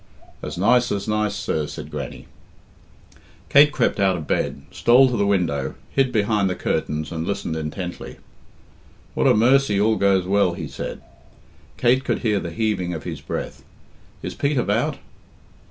"As nice as nice, sir," said Grannie. Kate crept out of bed, stole to the window, hid behind the curtains, and listened intently. "What a mercy all goes well," he said; Kate could hear the heaving of his breath. "Is Pete about?"